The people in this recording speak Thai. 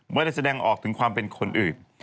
ไม่ได้แสดงออกถึงความเป็นคนอื่น